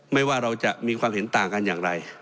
ว่าเราจะมีความเห็นต่างกันอย่างไร